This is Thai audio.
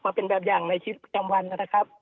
เป็นแบบอย่างในชีวิตประจำวันนะครับ